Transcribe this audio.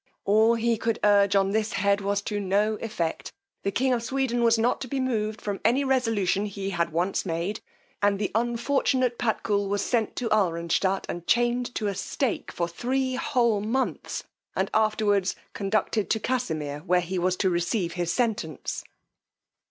All he could urge on this head was to no effect; the king of Sweden was not to be moved from any resolution he had once made; and the unfortunate Patkul was sent to Alranstadt and chained to a stake for three whole months, and afterwards conducted to Casimir, where he was to receive his sentence.